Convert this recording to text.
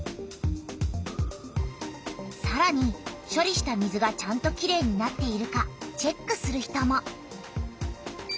さらにしょりした水がちゃんときれいになっているかチェックする人も。